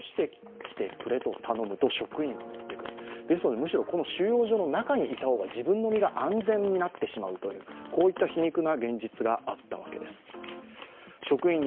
むしろ収容所の中にいた方が自分の身が安全になってしまうというこういった皮肉な現実があったわけです。